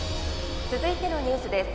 続いてのニュースです。